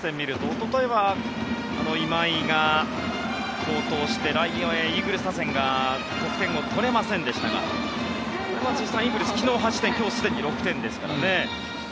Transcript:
この３連戦を見ると、おとといは今井が好投してイーグルス打線が得点を取れませんでしたが辻さん、昨日イーグルスは８点今日はすでに６点ですからね。